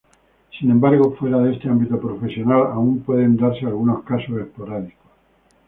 Sin embargo, fuera de este ámbito profesional, aún pueden darse algunos casos esporádicos.